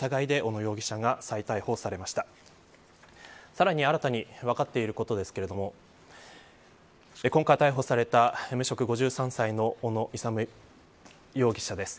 さらに新たに分かっていることですけれども今回、逮捕された無職５３歳の小野勇容疑者です。